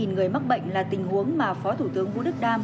ba mươi người mắc bệnh là tình huống mà phó thủ tướng vũ đức đam